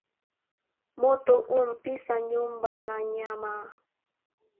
Moto u mpisa nyumba na nyama"